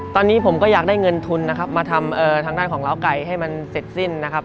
ตอนนี้ผมก็อยากได้เงินทุนนะครับมาทำทางด้านของล้าวไก่ให้มันเสร็จสิ้นนะครับ